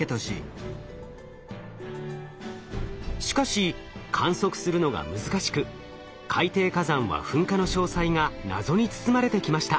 しかし観測するのが難しく海底火山は噴火の詳細が謎に包まれてきました。